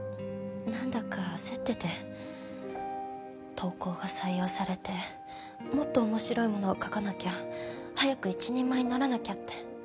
投稿が採用されてもっと面白いものを書かなきゃ早く一人前にならなきゃって。